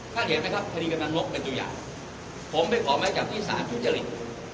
ถ้าเห็นไหมครับพฤกษณะนกเป็นตัวอย่างผมไปออกหมายจับที่สารอยู่เจริญ